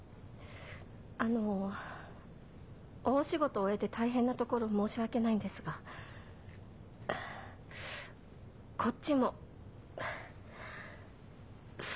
あの大仕事を終えて大変なところ申し訳ないんですがこっちもそろそろ。